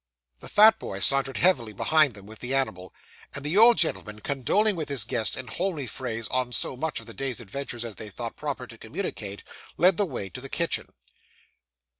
The fat boy sauntered heavily behind them with the animal; and the old gentleman, condoling with his guests in homely phrase on so much of the day's adventures as they thought proper to communicate, led the way to the kitchen.